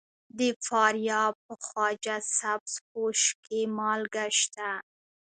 د فاریاب په خواجه سبز پوش کې مالګه شته.